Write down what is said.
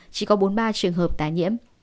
chỉ có bốn mươi ba trường hợp tái nhiễm